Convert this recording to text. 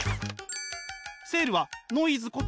セールはノイズこと